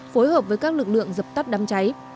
phối hợp với các lực lượng dập tắt đám cháy